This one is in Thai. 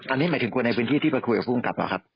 อันนี้หมายถึงคนในพื้นที่ที่ไปคุยกับผู้กำกับเหรอครับ